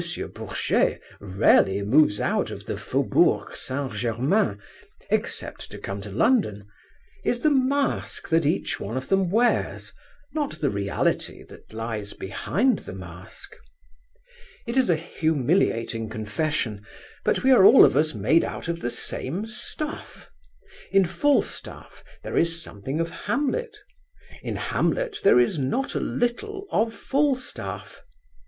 Bourget rarely moves out of the Faubourg St. Germain, except to come to London,—is the mask that each one of them wears, not the reality that lies behind the mask. It is a humiliating confession, but we are all of us made out of the same stuff. In Falstaff there is something of Hamlet, in Hamlet there is not a little of Falstaff.